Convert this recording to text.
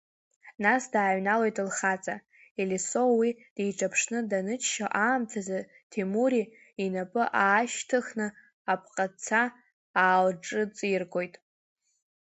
Нас дааҩналоит лхаҵа, Елисо уи диҿаԥшны даныччо аамҭазы Ҭемури инапы аашьҭыхны апҟаца аалҿыҵиргоит.